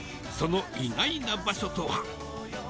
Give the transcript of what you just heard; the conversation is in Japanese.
その意外な場所とは？